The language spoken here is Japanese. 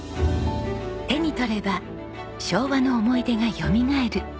手に取れば昭和の思い出がよみがえる。